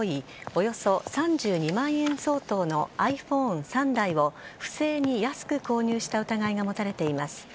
およそ３２万円相当のｉＰｈｏｎｅ３台を不正に安く購入した疑いが持たれています。